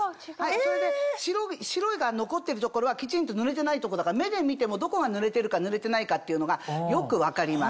それで白いのが残ってる所はきちんと塗れてないとこだから目で見てもどこが塗れてるか塗れてないかっていうのがよく分かります。